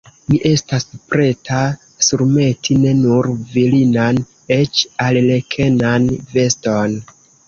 Mi estas preta surmeti ne nur virinan, eĉ arlekenan veston!